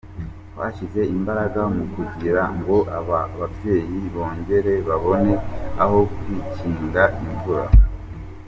Twashyize imbaraga mu kugira ngo aba babyeyi bongere babone aho kwikinga imvura.